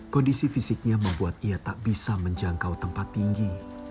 kondisi fisiknya membuat ia tak bisa menjangkau tempat tinggi